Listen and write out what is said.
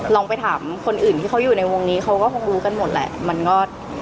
ลองไปถามคนอื่นที่เขาอยู่ในวงนี้เขาก็คงรู้กันหมดแหละมันก็